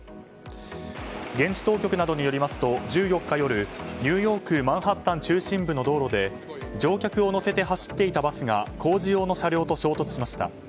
現地当局などによりますと１４日夜、ニューヨーク・マンハッタン中心部の道路で乗客を乗せて走っていたバスが工事用の車両と衝突しました。